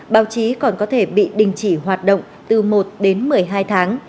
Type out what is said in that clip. báo chí còn có thể bị đình chỉ hoạt động từ một đến một mươi hai tháng